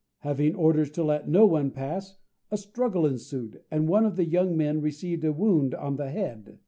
Having orders to let no one pass, a struggle ensued, and one of the young men received a wound on the head.